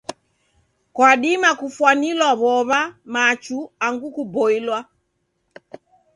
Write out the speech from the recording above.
Kwadima kufwanilwa w'ow'a, machu, angu kuboilwa.